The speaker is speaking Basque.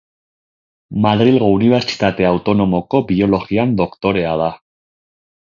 Madrilgo Unibertsitate Autonomoko biologian doktorea da.